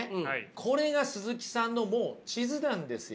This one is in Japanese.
これが鈴木さんのもう地図なんですよ。